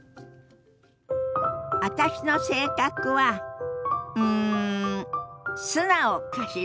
私の性格はうん素直かしら？